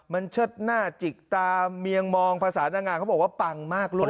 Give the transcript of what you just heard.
มันเชิดหน้าจิกตาเมียงมองภาษานางงามเขาบอกว่าปังมากเลย